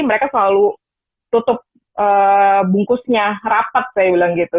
mereka selalu tutup bungkusnya rapat saya bilang gitu